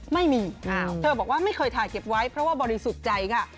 ไม่มีเธอบอกว่าไม่เคยถ่ายเก็บไว้เพราะว่าบริสุทธิ์ใจค่ะ